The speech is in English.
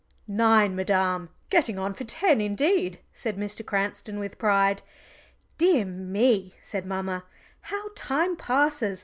"Nine, madam, getting on for ten indeed," said Mr. Cranston with pride. "Dear me," said mamma, "how time passes!